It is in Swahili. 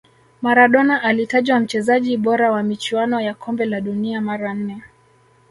maradona alitajwa mchezaji bora wa michuano ya kombe la dunia mara nne